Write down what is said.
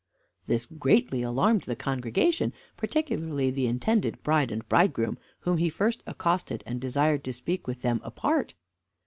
This greatly alarmed the congregation, particularly the intended bride and bridegroom, whom he first accosted and desired to speak with them apart.